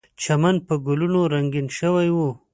چمن په ګلونو رنګین شوی و.